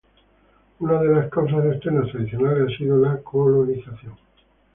Una de las causas externas tradicionales ha sido la colonización.